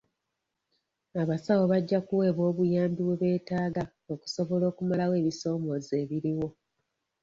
Abasawo bajja kuweebwa obuyambi bwe beetaaga okusobola okumalawo ebisoomooza ebiriwo.